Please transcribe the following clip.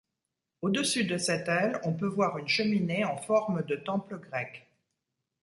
Au-dessus de cette aile on peut voir une cheminée en forme de temple grec.